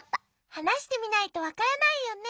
はなしてみないとわからないよね。